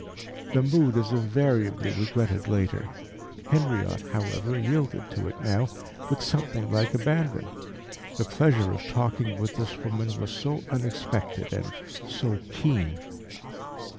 The mood is invariably regretted later. Henriot, however, yielded to it now with something like abandon. The pleasure of talking with this woman was so unexpected, and so keen.